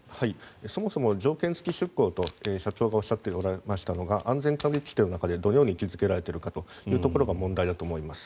そもそも条件付き出航と社長がおっしゃっておられましたのが安全管理規定の中でどのように位置付けられているかというところが問題だと思います。